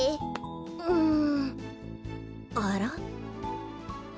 うんあら？